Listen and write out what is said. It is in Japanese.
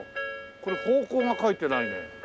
これ方向が書いてないね。